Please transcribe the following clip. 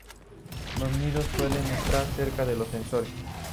Los nidos suelen estar cerca de los senderos.